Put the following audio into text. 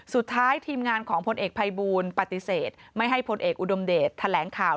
ทีมงานของพลเอกภัยบูลปฏิเสธไม่ให้พลเอกอุดมเดชแถลงข่าว